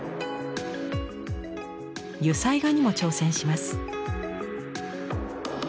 油彩画にも挑戦します。